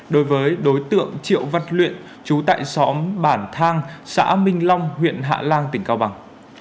đối với đối tượng triệu văn luyện chú tại xóm bản thang xã minh long huyện hạ lan tỉnh cao bằng